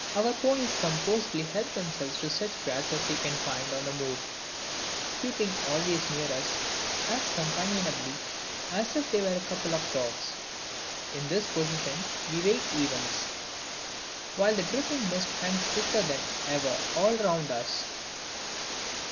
Our ponies composedly help themselves to such grass as they can find on the moor; keeping always near us as companionably as if they were a couple of dogs. In this position we wait events, while the dripping mist hangs thicker than ever all round us.